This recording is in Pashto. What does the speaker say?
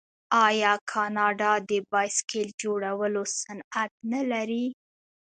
آیا کاناډا د بایسکل جوړولو صنعت نلري؟